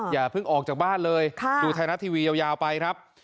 อย่าเพิ่งออกจากบ้านเลยดูไทยรัฐทีวียาวไปครับ